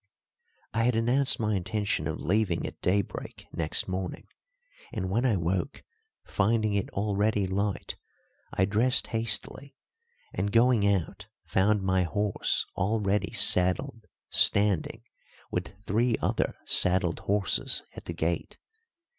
I had announced my intention of leaving at daybreak next morning; and when I woke, finding it already light, I dressed hastily, and, going out, found my horse already saddled standing, with three other saddled horses, at the gate.